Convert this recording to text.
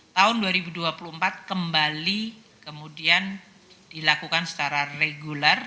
tahun dua ribu dua puluh empat kembali kemudian dilakukan secara reguler